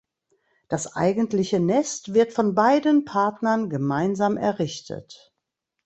Das eigentliche Nest wird von beiden Partnern gemeinsam errichtet.